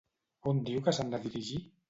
On diu que s'han de dirigir?